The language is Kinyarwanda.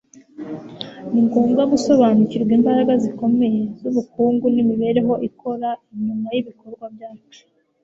Ni ngombwa gusobanukirwa imbaraga zikomeye zubukungu n'imibereho ikora inyuma yibikorwa byacu